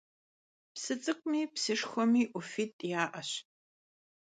Psı ts'ık'umi psışşxuemi 'Ufit' ya'eş.